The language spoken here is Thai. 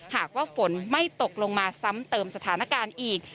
หากว่าฝนไม่ตกลงมาซ้ำเติมสถานการณ์อีก